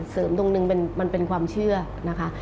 ตรงหนึ่งมันเป็นความเชื่อนะคะ